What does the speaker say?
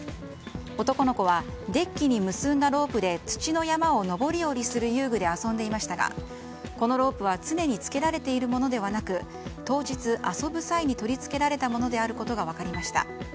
男の子はデッキに結んだロープで土の山を上り下りする遊具で遊んでいましたがこのロープは常につけられているものではなく当日、遊ぶ際に取り付けられたものであることが分かりました。